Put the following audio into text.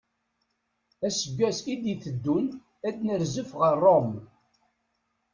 Aseggas i d-iteddun ad nerzef ɣer Rome.